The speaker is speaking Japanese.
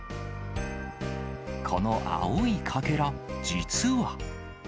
この青いかけら、実は。